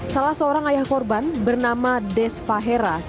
salah seorang ayah korban bernama des fahera